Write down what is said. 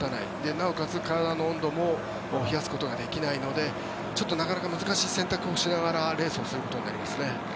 なおかつ体の温度も冷やすことができないのでちょっとなかなか難しい選択をしながらレースをすることになります。